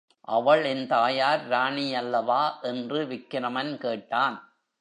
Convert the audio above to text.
அவள் என் தாயார் ராணியல்லவா? என்று விக்கிரமன் கேட்டான்.